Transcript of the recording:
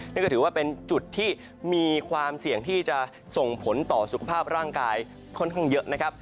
นั่นก็ถือว่าเป็นจุดที่มีความเสี่ยงที่จะส่งผลต่อสุขภาพร่างกายค่อนข้างเยอะนะครับ